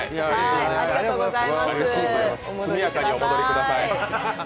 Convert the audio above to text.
速やかにお戻りください。